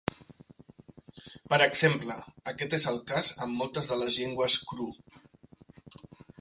Per exemple, aquest és el cas amb moltes de les llengües Kru.